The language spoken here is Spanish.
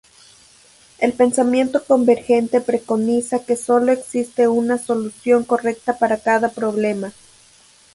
El pensamiento convergente preconiza que sólo existe una solución correcta para cada problema.